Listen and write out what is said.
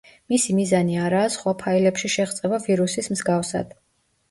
მისი მიზანი არაა სხვა ფაილებში შეღწევა ვირუსის მსგავსად.